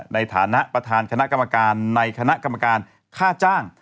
ในฐานะประธานคณะกรรมการในคณะกรรมการค่าจ้าง